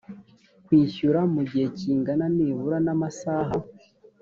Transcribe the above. kwishyura mu gihe kingana nibura n amasaha